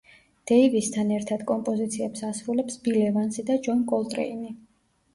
დეივისთან ერთად კომპოზიციებს ასრულებს ბილ ევანსი და ჯონ კოლტრეინი.